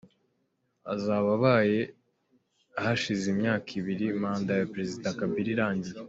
Azaba abaye hashize imyaka ibiri manda ya Perezida Kabila irangiye.